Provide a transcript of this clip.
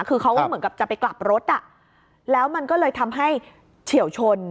เขาจะไปกลับรถแล้วมันก็เลยทำให้เฉียวชน